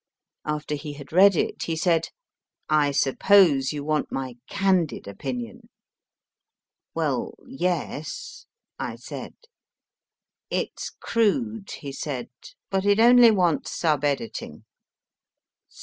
After he had read it he said, I suppose you want my candid opinion ? Well, ye s, I said. It s crude, he said. .But it only wants sub editing.